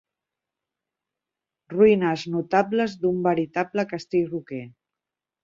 Ruïnes notables d'un veritable castell roquer.